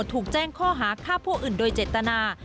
ถูกแจ้งข้อหาฆ่าผู้อื่นโดยเจตนา